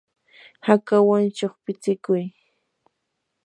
hakawan shuqpitsikuy.